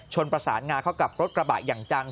ประสานงาเข้ากับรถกระบะอย่างจัง